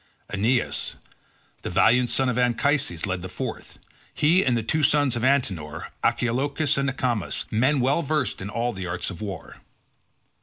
Aeneas, the valiant son of Anchises, led the fourth; he and the two sons of Antenor, Archelochus and Acamas, men well versed in all the arts of war.